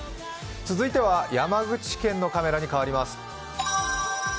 続いては山口県のカメラに変わります。